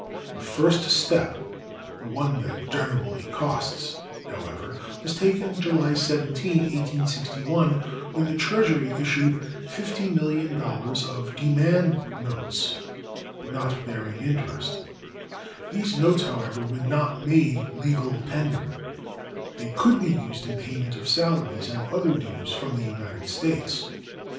The first step—the one that generally costs—however, was taken July 17, 1861, when the Treasury issued $50,000,000 of "demand notes," not bearing interest. These notes, however, were not made legal tender. They could be used in payment of salaries and other dues from the United States.